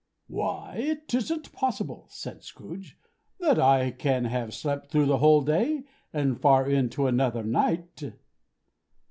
"Why it isn't possible," said Scrooge, "that I can have slept through a whole day and far into another night!"